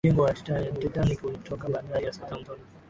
mjengo wa titanic ulitoka bandari ya southampton